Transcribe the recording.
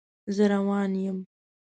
زه روان یم